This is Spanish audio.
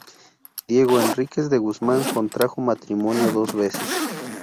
Diego Enríquez de Guzmán contrajo matrimonio dos veces.